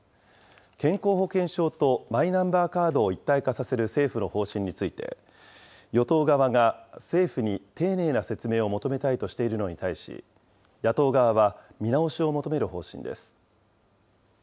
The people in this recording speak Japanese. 健康保険証とマイナンバーカードを一体化させる政府の方針について、与党側が政府に丁寧な説明を求めたいとしているのに対し、野党側は、見直しを求める方針です。